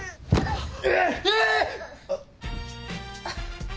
あっ。